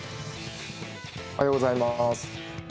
おはようございます